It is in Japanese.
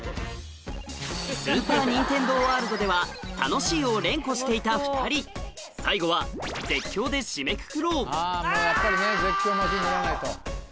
スーパー・ニンテンドー・ワールドでは「楽しい」を連呼していた２人最後はもうやっぱりね絶叫マシン乗らないと。